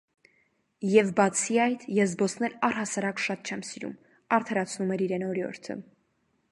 և, բացի այդ, ես զբոսնել առհասարակ շատ չեմ սիրում,- արդարացնում էր իրեն օրիորդը: